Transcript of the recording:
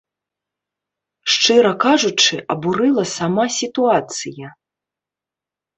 Шчыра кажучы, абурыла сама сітуацыя.